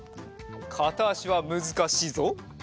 かたあしはむずかしいぞ。